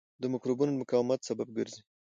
د مکروبونو د مقاومت سبب ګرځي.